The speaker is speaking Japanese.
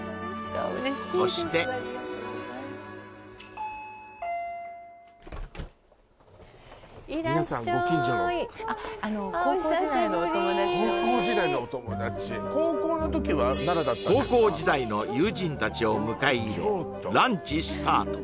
そしてどうぞ高校時代の友人たちを迎え入れランチスタート